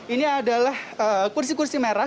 ini adalah kursi kursi merah